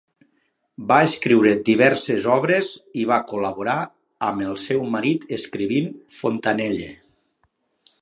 Va escriure diverses obres i va col·laborar amb el seu marit escrivint "Fontenelle".